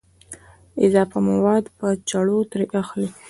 اضافه مواد په چړو ترې اخلي.